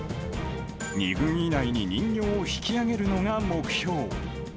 ２分以内に人形を引き上げるのが目標。